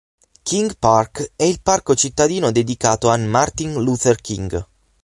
King Park è il parco cittadino dedicato a Martin Luther King.